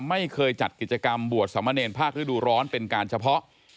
ไม่เคยจัดกิจกรรมบวชสมเนรภาคฤดูร้อนเป็นการเฉพาะ